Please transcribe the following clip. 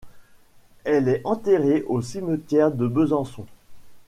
Elle est enterrée au cimetière de Besançon.